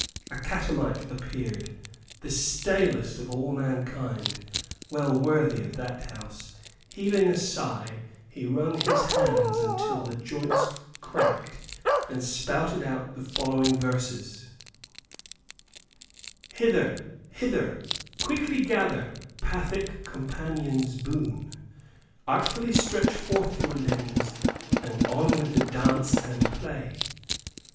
A catamite appeared, the stalest of all mankind, well worthy of that house. Heaving a sigh, he wrung his hands until the joints cracked, and spouted out the following verses, "Hither, hither quickly gather, pathic companions boon; Artfully stretch forth your limbs and on with the dance and play!